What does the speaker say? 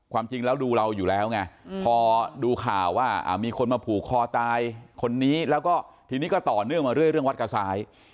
ความจริงแล้วดูเราอยู่แล้วไงพอดูข่าวว่ามีคนมาผูกคอตายคนนี้แล้วก็ทีนี้ก็ต่อเนื่องมาเรื่อยเรื่องวัดกระซ้าย